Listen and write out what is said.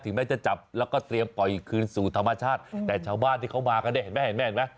แม้จะจับแล้วก็เตรียมปล่อยคืนสู่ธรรมชาติแต่ชาวบ้านที่เขามากันเนี่ยเห็นไหมเห็นไหม